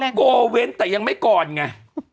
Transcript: โกเว้นแต่ยังไม่ก่อนไง